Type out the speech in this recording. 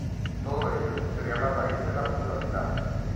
Todo ello sería la raíz de la pluralidad.